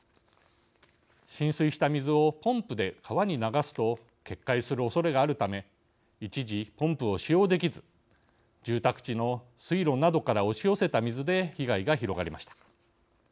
浸水した水をポンプで川に流すと決壊するおそれがあるため一時、ポンプを使用できず住宅地の水路などから押し寄せた水で被害が広がりました。